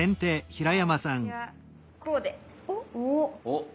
おっ。